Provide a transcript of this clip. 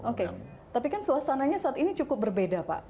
oke tapi kan suasananya saat ini cukup berbeda pak